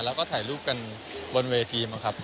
แล้วก็ถ่ายรูปกันบนเวทีนะครับ